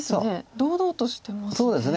堂々としてますね。